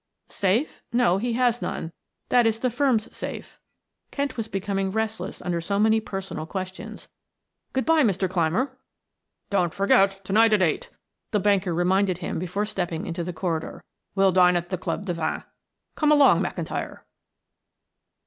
"Safe no, he has none; that is the firm's safe." Kent was becoming restless under so many personal questions. "Good by, Mr. Clymer." "Don't forget to night at eight," the banker reminded him before stepping into the corridor. "We'll dine at the Club de Vingt. Come along, McIntyre."